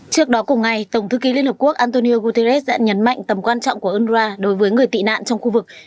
trước đó cùng ngày tổng thư ký liên hợp quốc antonio guterres đã nhấn mạnh tầm quan trọng của unrwa đối với người tị nạn trong khu vực